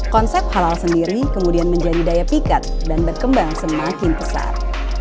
konsep halal sendiri kemudian menjadi daya pikat dan berkembang semakin pesat